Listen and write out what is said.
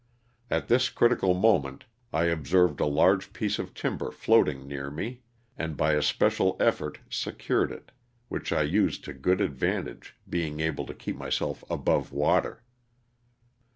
At this critical moment I observed a large piece of tim ber floating near me, and by a special effort secured it, which I used to good advantage, being able to keep myself above water.